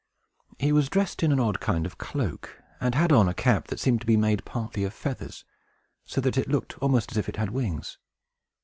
He was dressed in an odd kind of a cloak, and had on a cap that seemed to be made partly of feathers, so that it looked almost as if it had wings."